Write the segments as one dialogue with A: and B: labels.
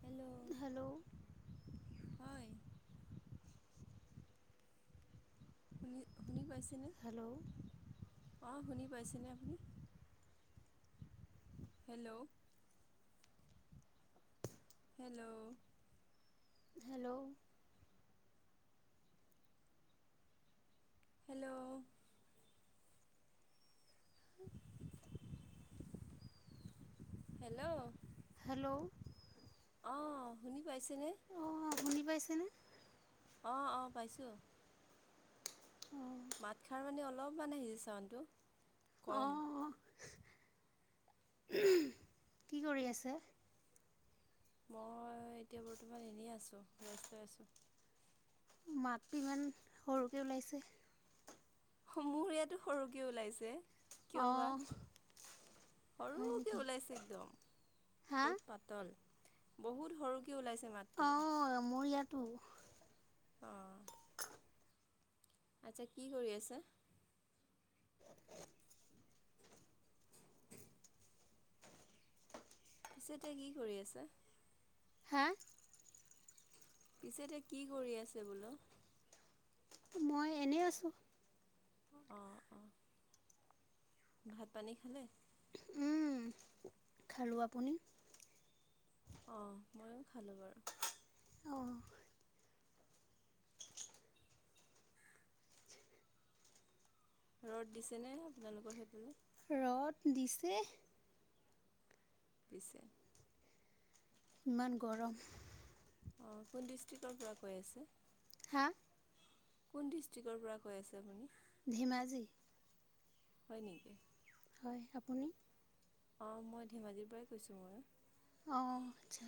A: Hello
B: hello
A: হয়। শুনি-শুনি পাইছেনে?
B: হেলৌ-
A: অ' শুনি পাইছেনে আপুনি? Hello hello-
B: hello-
A: hello- hello
B: hello
A: অ' শুনি পাইছেনে?
B: অঁ শুনি পাইছেনে?
A: অ' অ' পাইছোঁ।
B: অ
A: মাতখাৰ মানে অলপমান আহি চাউণ্ডটো। কম।
B: অঁ কি কৰি আছে?
A: মই এতিয়া বৰ্তমান এনেই আছো, ৰেষ্ট লৈ আছো।
B: মাতটি ইমান, সৰুকে ওলাইছে।
A: মোৰ ইয়াতো সৰুকে ওলাইছে। কিয় বা?
B: অঁ হয়
A: সৰু-কে
B: নেকি
A: ওলাইছে একদম।
B: হা
A: বত পাত তল, বহুত সৰুকে ওলাইছে মাত-
B: অ' মোৰ ইয়াতো।
A: অ' আচ্ছা কি কৰি আছে? পিছে এতিয়া কি কৰি আছা?
B: হা?
A: পিছে এতিয়া কি কৰি আছে বুলো?
B: মই এনেই আছো।
A: অ'। ভাত পানী খালে।
B: উম খালো, আপুনি?
A: অ', ময়ো খালো বাৰু।
B: অহ।
A: ৰ'দ দিছেনে আপোনালোকৰ সেইফালে।
B: ৰ'দ দিছে।
A: পিছে।
B: ইমান গৰম।
A: অ', কোন ডিষ্ট্ৰিকৰ পৰা কৈ আছে?
B: হা।
A: কোন ডিষ্ট্ৰিকৰ পৰা কৈ আছে আপুনি?
B: ধেমাজি।
A: হয় নেকি।
B: হয় আপুনি।
A: অ', মই ধেমাজিৰ পৰাই কৈছোঁ বাৰু
B: অ', আচ্ছা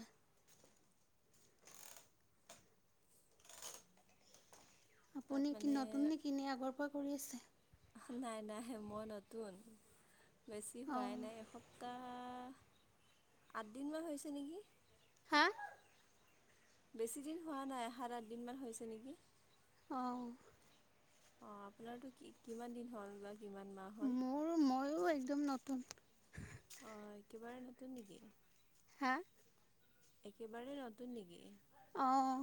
A: তাত
B: আপুনি কি
A: মানে
B: নতুন নেকি নে আগৰ পৰা কৰি আছে।
A: নাই, নাই মই নতুন বেছি
B: অঁ
A: হোৱাই নাই এসপ্তাহ ত আঠদিন মান হৈছে নেকি।
B: হা।
A: বেছি দিন হোৱা নাই সাত আঠ দিন মান হৈছে নেকি।
B: অ'।
A: অ', আপোনাৰটো কি কিমান দিন হ'ল বা কিমান মাহ হ'ল?
B: ও ময়ো একদম নতুন।
A: অ', একেবাৰে নতুন নেকি?
B: হা।
A: একেবাৰেই নতুন নেকি।
B: অ'।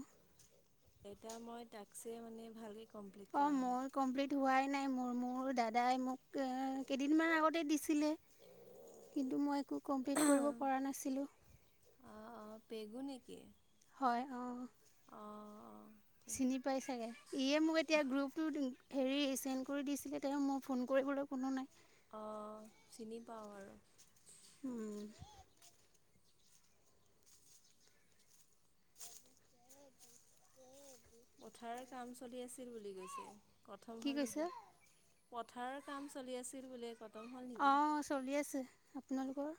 A: এটা মই টাক্স মানে ভালকে
B: অ', মই কমপ্লিট হোৱাই নাই মোৰ মোৰ দাদাই মোক কেইদিনমান আগতেই দিছিলে। কিন্তু মই একো কমপ্লিট কৰিব পৰা নাছিলোঁ।
A: অ', অ', পেগু নেকি?
B: হয়, হয়।
A: অ', অ'।
B: চিনি পাই চাগে ইয়ে মোক এতিয়া গ্ৰুপটো হেৰি চেনড্ কৰি দিছিলে তেওঁ মোৰ ফোন কৰিবলৈ কোনো নাই।
A: অ', চিনি পাওঁ আৰু।
B: উম।
A: পথাৰ কাম চলি আছিল বুলি কৈছে কথম
B: কি
A: হ'ল
B: কৈছে
A: নেকি। পথাৰৰ কাম চলি আছিল বুলিয়ে কথা
B: অ', চলি আছে আপোনালোকৰ?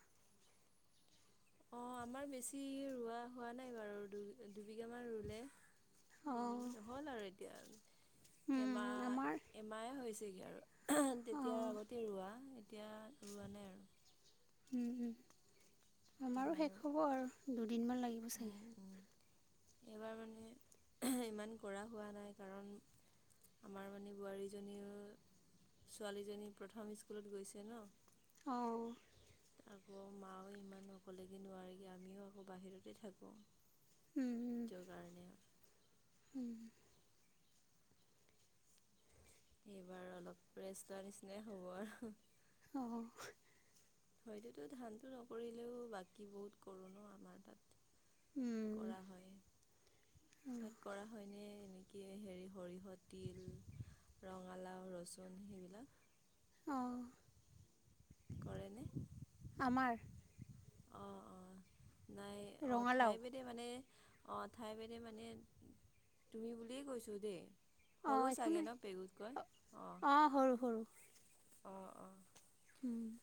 A: অ', আমাৰ বেছি ৰোৱা হোৱা নাই বাৰু দু দুবিঘামান ৰুলে।
B: অঁ
A: উম হ'ল আৰু এতিয়া
B: আমাৰ
A: এমাহ এমাহে হৈছেগে আৰু। তেতিয়াৰ
B: অঁ
A: আগতেই ৰোৱা এতিয়া ৰোৱা নাই আৰু
B: উম উম আমাৰো
A: এইবাৰ
B: শেষ হ'ব আৰু দুদিন মান লাগিব চাগে।
A: উম উম এইবাৰ মানে ইমান কৰা হোৱা নাই কাৰণ আমাৰ মানে বোৱাৰীজনীৰো ছোৱালীজনী প্ৰথম স্কুলত গৈছে ন
B: অঁ
A: আকৌ মাও ইমান অকলেগে নোৱাৰেগে আমিও আকৌ বাহিৰতে থাকোঁ। সেইটো কাৰণে
B: উম
A: এইবাৰ অলপ ৰেষ্ট লোৱাৰ নিচিনাই হ'ব আৰু
B: অঁ
A: হয়তোত ধানটো নকৰিলেও বাকী বহুত কৰো ন আমাৰ তাত কৰা হয় তাত কৰা হয় নে এনেকে কি হেৰি সৰিয়হ তিল ৰঙালাও ৰচুন সেইবিলাক
B: অঁ
A: কৰে নে
B: আমাৰ
A: অ অ নাই অ
B: ৰঙালাও
A: ঠাইভেদে ভেদে মানে অ ঠাই ভেদে মানে তুমি বুলিয়ে কৈছো দেই।
B: অঁ
A: সৰু
B: একো
A: চাগে
B: নাই
A: ন পেগুতকৈ
B: অঁ
A: অ
B: সৰু সৰু
A: অ অ
B: উম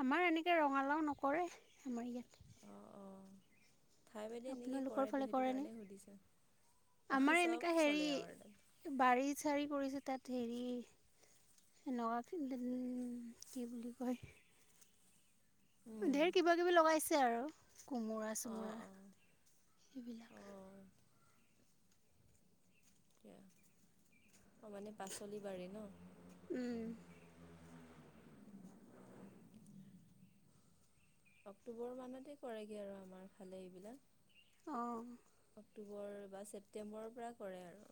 B: আমাৰ এনেকে ৰঙালাও নকৰে আমাৰ ইয়াত
A: অঁ অঁ ঠাই ভেদে এনেকে
B: আপোনালোকৰ
A: কৰেতো
B: ফালে
A: সেইটো
B: কৰেনে
A: কাৰণে সুধিছো অ
B: আমাৰ এনেকৈ
A: চব
B: হেৰি
A: চলে আমাৰ তাত
B: বাৰী চাৰী কৰিছে তাত হেৰি হেণেকুৱা কি বুলি কয়
A: উম
B: ঢেৰ কিবা কিবি লগাইছে আৰু কোমোৰা
A: অঁ
B: চোমোৰা
A: অঁ
B: সেইবিলাক
A: অঁ অঁ মানে পাচলি বাৰী ন
B: উম
A: অক্টোবৰ মানতে কৰেগে আৰু আমাৰ ফালে এইবিলাক
B: অ
A: অক্টোবৰ বা ছেপ্টেম্বৰৰ পৰা কৰে আৰু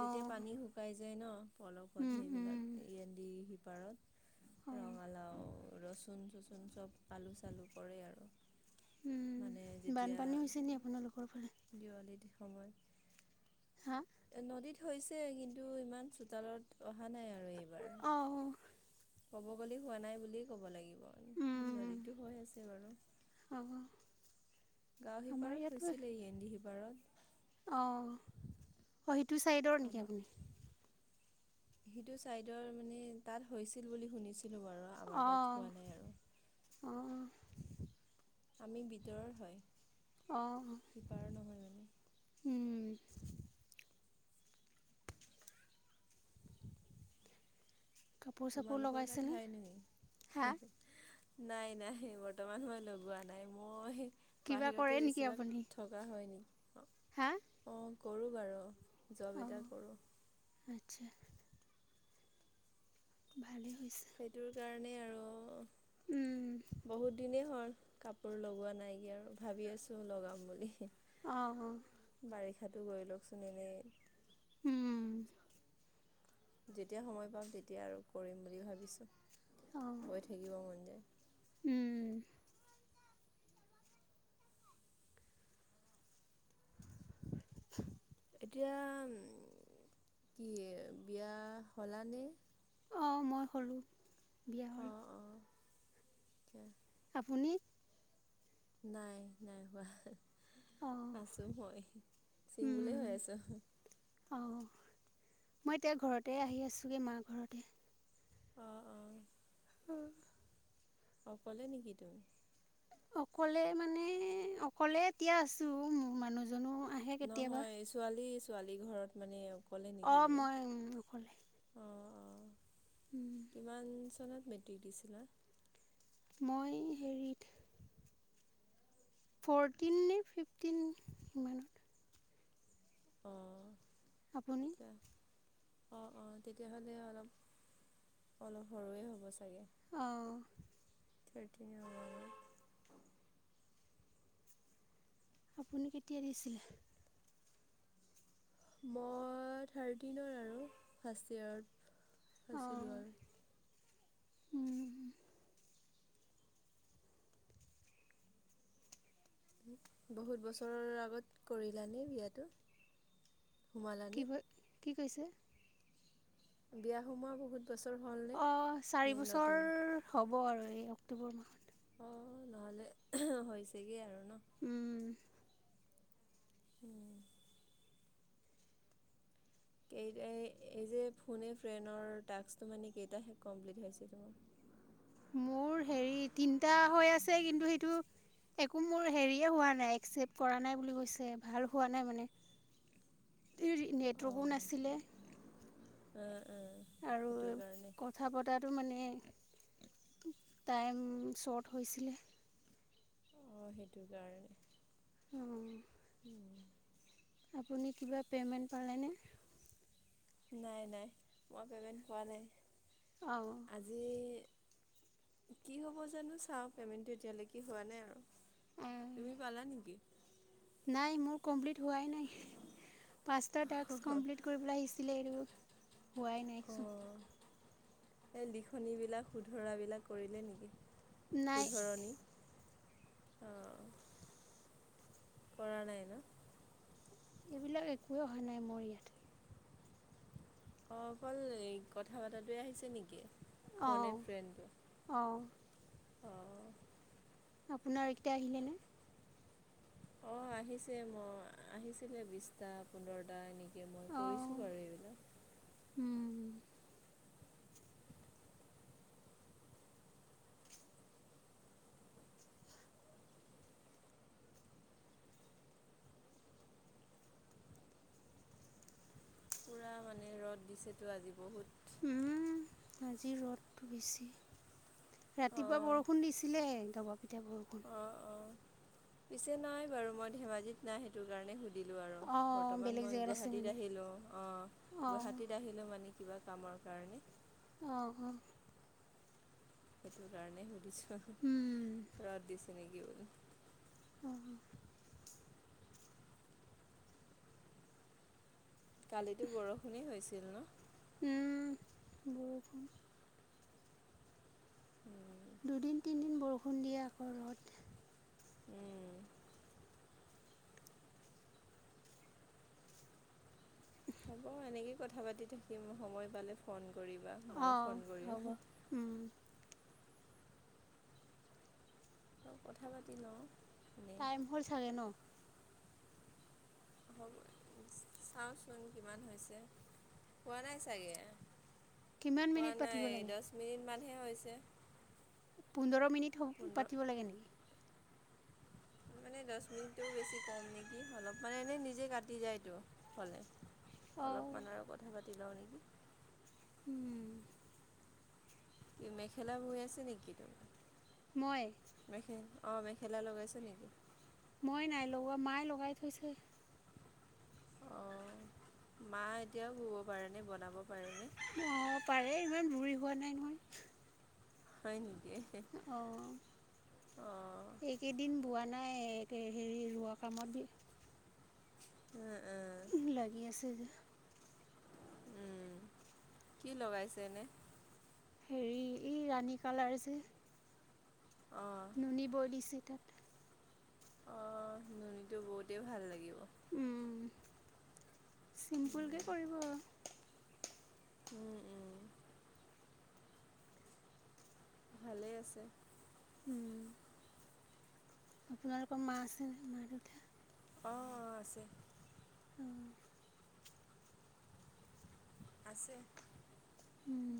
A: যেতিয়া পানী শুকাই যায় ন পলসত সেইবিলাক এয়ন্দ সিপাৰত
B: অঁ
A: ৰঙালাও ৰচুন চচুন চব আলু চালু কৰে আৰু মানে
B: বানপানী হৈছে নি আপোনালোকৰ ফালে
A: দিৱালী সময়ত
B: হাঁ
A: নদীত হৈছে কিন্তু ইমান চোতালত অহা নাই আৰু এইবাৰ
B: অ
A: ক'ব গ'লে হোৱা নাই বুলিয়েই ক'ব লাগিব নদীতো হৈ আছে বাৰু
B: অ
A: গাঁও সিপাৰত হৈছিলে এয়েন্দি সিপাৰত
B: অ অ সেইটো চাইডৰ নেকি আপুনি
A: সেইটো চাইদৰ মানে তাত হৈছিল বুলি শুনিছিলো বাৰু আমাৰ
B: অ
A: তাত হোৱা নাই আৰু
B: অহ
A: আমি ভিতৰৰ হয়
B: অঁ
A: সিপাৰৰ নহয় মানে
B: কাপোৰ চাপোৰ
A: তোমালোকৰ তাত
B: লগাইছেনে
A: হয় নাই
B: হা
A: নাই নাই বৰ্তমান সময়ত লগোৱা নাই মই
B: কিবা কৰে
A: বাহিৰতে
B: নেকি
A: বেছিভাগ
B: আপুনি
A: থকা হয় নেকি
B: হা
A: অ কৰো বাৰু জব এটা
B: অঁ
A: কৰো
B: আচ্ছা ভালেই হৈছে
A: সেইটোৰ কাৰণে আৰু বহুত দিনেই হ'ল কাপোৰ লগোৱা নাই এতিয়া আৰু ভাবি আছো লগাম বুলি
B: অ অ
A: বাৰিষাটো গৈ লওকচোন এনেই
B: উম
A: যেতিয়া সময় পাওঁ তেতিয়া আৰু কৰিম বুলি ভাবিছোঁ
B: অঁ
A: গৈ থাকিব মন যায়
B: [inaudible]
A: এতিয়া কি বিয়া হ'লানে
B: অ মই হ'লো বিয়া হ'লো
A: উম
B: আপুনি
A: নাই নাই হোৱা
B: অঁ
A: আছো মই চিংগুলেই হৈ আছো
B: অহ মই এতিয়া ঘৰতে আহি আছোগে মাৰ ঘৰত
A: অ অ অকলে নেকি তুমি
B: অকলে মানে অকলে এতিয়া আছো মোৰ মানুহজনো আহে কেতিয়াবা
A: নহয় ছোৱালী ছোৱালী ঘৰত মানে অকলে নেকি
B: অঁ
A: বুলি
B: মই উম, অকলে
A: অ অ
B: উম,
A: কিমান চনত মেট্ৰিক দিছিলা
B: মই হেৰিত ফৰটিন নে ফিফটিন ইমানত
A: অহ
B: আপুনি
A: এহ অ অ তেতিয়াহ'লে অলপ অলপ সৰুৱে হ'ব চাগে
B: অ
A: তে তে অহ
B: আপুনি কেতিয়া দিছিলে
A: মই থাৰ্টিনত আৰু ফাৰ্ষ্ট ইয়েৰত
B: অঁ
A: আছিলো আৰু
B: উম
A: বহুত বছৰৰ আগত কৰিলানে বিয়াটো
B: কি
A: সোমালানে
B: ক কি কৈছে
A: বিয়া সোমোৱা বহুত বছৰ হল
B: অ চাৰি বছৰ হ'ব আৰু এই অক্টোবৰ মাহত
A: অ নহলে এ'হ হৈছেগে আৰু ন
B: উম
A: উম কেইটা এই যে ফোনে ফ্ৰেনৰ টাস্কটো মানে কেইটাহে কমপ্লিট হৈছে
B: মোৰ হেৰি তিনটা হৈ আছে কিন্তু সেইটো একো মোৰ হেৰি হোৱা নাই, এক্সচেপ কৰা নাই বুলি কৈছে, ভাল হোৱা নাই মানে। তোৰ নেটৱৰ্কো নাছিলে।
A: উম উম।
B: আৰু
A: সেইটো কাৰণে
B: কথা পতাটো মানে টাইম চৰ্ট হৈছিলে।
A: অঁ সেইটো কাৰণে
B: উম
A: উম,
B: আপুনি কিবা পে'মেণ্ট পালেনে?
A: নাই নাই। এতিয়া পে'মেণ্ট পোৱা নাই।
B: অ
A: আজি কি হ'ব জানো চাওঁ, পে'মেণ্টটো এতিয়ালৈকে হোৱা নাই আৰু। তুমি পালা নেকি?
B: নাই মোৰ কমপ্লিট হোৱাই নাই, পাঁচটা টাস্ক
A: অ',
B: কমপ্লিট কৰ পেলাই আহিছিলে আৰু
A: অঁ, এই লিখনিবিলাক শুধৰাবিলাক কৰিলে নেকি?
B: নাই
A: শুধৰণি অ। কৰা নাই ন?
B: এইবিলাক একোৱেই হোৱা নাই মোৰ ইয়াত।
A: অ অকল এই কথা পতটোৱে আহিছে নেকি? ফোনে
B: অঁ
A: ফ্ৰেণ্ডটো
B: অঁ
A: অঁ
B: আপোনাৰ এতিয়া আহিলে নে?
A: অঁ আহিছে মোৰ, আহিছিলে বিছটা, পোন্ধৰটা এনেকে এনেকে, মই কৰিছিলো বাৰু এইবিলাক
B: উম
A: পূৰা মানে ৰ'দ দিছেতো আজি বহুত
B: উম আজি ৰ'দটো বেছি। ৰাতিপুৱা
A: অঁ
B: বৰষুণ দিছিলেহে দবা পিঠা বৰষুণ।
A: অঁ অঁ। পিছে নাই বাৰু মই ধেমাজিত নাই সেইটো কাৰণে সুধো দিলো আৰু।
B: অঁ
A: বৰ্তমান
B: বেলেগ
A: মই
B: জেগাত আছে
A: গুৱাহাটীত
B: মানে
A: আহিলো, অ
B: অঁ
A: গুৱাহাটীত আহি মানে কিবা কামৰ কাৰণে
B: অ অ
A: সেইটো কাৰণেই সুধিছোঁ,
B: অঁ
A: ৰদ দিছে নেকি বুলি?
B: অহ
A: কালিতো বৰষুণেই হৈছিল ন?
B: উম, বৰষুণ
A: উম
B: দুদিন তিনিদিন বৰষুণ দিয়ে আকৌ ৰ'দ।
A: উম। হ'ব এনেকয়ে কথা পাতি থাকিম, সময় পালে ফোন কৰিবা ময়ো
B: অঁ
A: ফোন
B: হ'ব
A: কৰিম।
B: উম
A: অ কথা পাতি লওঁ
B: টাইম হ'ল চাগে ন?
A: হল, চাওঁচোন কিমান হৈছে হোৱা নাই চাগে
B: কিমান
A: হোৱা
B: মিনিট পাতিব
A: নাই
B: লাগে
A: দহ মিনিট মানহে হৈছে।
B: পোন্ধৰ মিনিট
A: পোন্ধৰ
B: পাতিব লাগে নেকি?
A: মানে দহ মিনিটটোও বেছি কম নেকি? অলপ মানে এনেই নিজে কাটি যায়তো হ'লে
B: অঁ
A: অলপমান আৰু কথা পাতি লওঁ নেকি?
B: উম,
A: কি, মেখেলা বুই আছে নেকি, তুমি।
B: মই।
A: মেখেল অ, মেখেলা লগাইছে নেকি?
B: মই নাই লগোৱা, মায়ে লগাই থৈছে।
A: অ, মা এতিয়াও, শুব পাৰেনে, বনাব পাৰেনে?
B: অ, পাৰে, ইমান বুৰি হোৱা নাই নহয়।
A: হয় নেকি।
B: অ,
A: অঁ
B: এ কেইদিন বোৱা নাই, হেৰি ৰোৱা কামত
A: উম, উম,
B: বি- লাগি আছে যে।
A: কি লগাইছে, এনে?
B: হেৰি, এই ৰাণী কালাৰ যে।
A: অ,
B: নুন, বৈ দিছে তাত।
A: অ, নুনীটো বও তেইও ভাল লাগিব।
B: উম, চিম্পুল কে
A: উম,
B: কৰিব।
A: উম, উম, ভালে, আছে।
B: উম, আপোনালোকৰ মা, আছে নে, মাক-দেউতা।
A: অ, অ, আছে।
B: অহ,
A: আছে।
B: উম,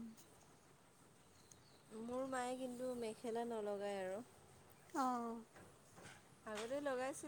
A: মোৰ মায়ে কিন্তু মেখেলা নলগায় আৰু।
B: অ,
A: আগতে লগাইছিল।